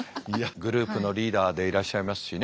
グループのリーダーでいらっしゃいますしね。